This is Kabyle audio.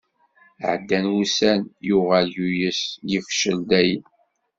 Ɛeddan wussan, yuɣal yuyes, yefcel dayen.